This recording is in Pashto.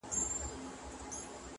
پهدهپسېويثوابونهيېدلېپاتهسي,